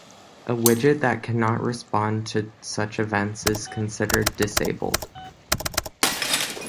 A widget that cannot respond to such events is considered disabled.